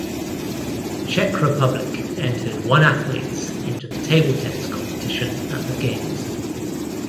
Czech Republic entered one athletes into the table tennis competition at the games.